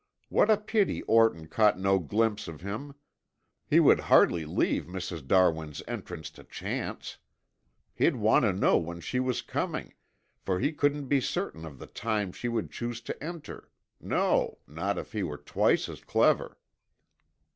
What a pity Orton caught no glimpse of him! He would hardly leave Mrs. Darwin's entrance to chance. He'd want to know when she was coming, for he couldn't be certain of the time she would choose to enter, no, not if he were twice as clever."